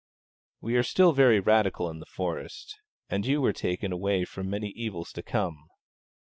We are still very Radical in the Forest, and you were taken away from many evils to come.